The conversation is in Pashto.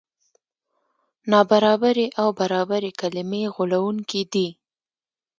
نابرابري او برابري کلمې غولوونکې دي.